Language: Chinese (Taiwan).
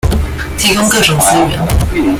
提供各種資源